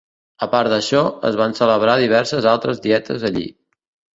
A part d'això, es van celebrar diverses altres dietes allí.